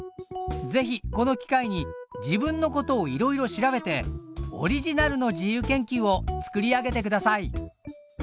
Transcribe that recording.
ぜひこの機会に自分のことをいろいろ調べてオリジナルの自由研究を作り上げてください！